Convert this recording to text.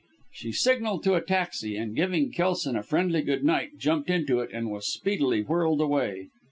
She signalled to a taxi, and giving Kelson a friendly good night, jumped into it and was speedily whirled away.